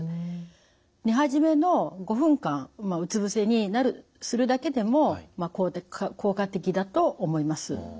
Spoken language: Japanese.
寝始めの５分間うつ伏せにするだけでも効果的だと思います。